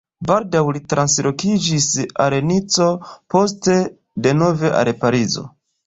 Baldaŭ li translokiĝis al Nico, poste denove al Parizo.